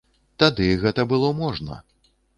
Тады гэта было можна.